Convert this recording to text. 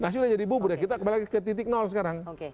pasti sudah jadi bubur ya kita kembali ke titik nol sekarang